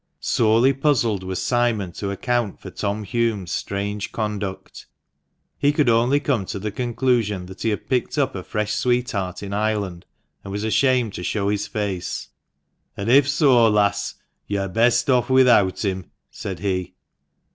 Sorely puzzled was Simon to account for Tom Hulme's strange conduct. He could only come to the conclusion that he had picked up a fresh sweetheart in Ireland, and was ashamed to show his face. "An' if so, lass, yo're best off without him," said he.